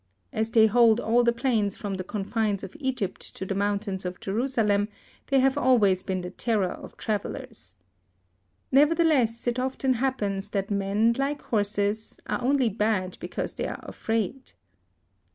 As they hold all the plains from the confines of Egypt to the mountains of Jerusalem, they have always been the terror of travellers. Nevertheless it often happens that men, like horses, are only bad because they are afraid.